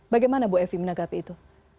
bagaimana bu evi menanggapi itu